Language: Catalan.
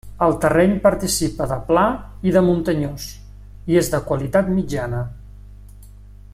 El terreny participa de pla i de muntanyós, i és de qualitat mitjana.